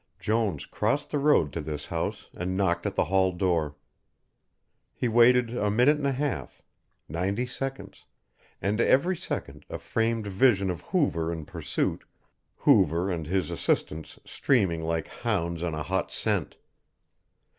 Jones crossed the road to this house and knocked at the hall door. He waited a minute and a half, ninety seconds, and every second a framed vision of Hoover in pursuit, Hoover and his assistants streaming like hounds on a hot scent.